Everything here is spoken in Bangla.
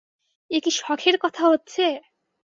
এ কি শখের কথা হচ্ছে?